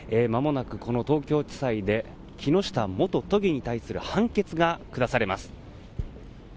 まもなく、この東京地裁で木下元都議に対する判決が下されます。